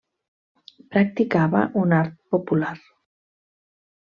Practicava un art popular.